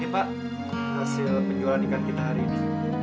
pak hasil penjualan ikan kita hari ini